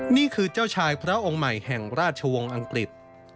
นี่คือเจ้าชายพระองค์ใหม่แห่งราชวงศ์อังกฤษ